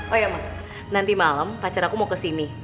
oh iya mas nanti malam pacar aku mau kesini